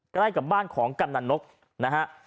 ใกล้กับบ้านของกำนันนกนะฮะ